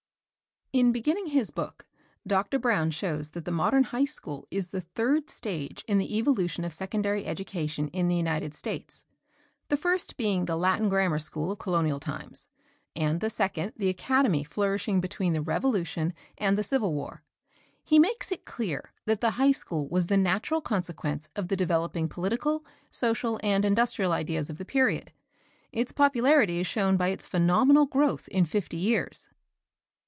In beginning his book, Dr. Brown shows that the modern high school is the third stage in the evolution of secondary education in the United States; the first being the Latin grammar school of colonial times, and the second the academy flourishing between the Revolution and the Civil War. He makes it clear that the high school was the natural consequence of the developing political, social and industrial ideas of the period. Its popularity is shown by its phenomenal growth in fifty years.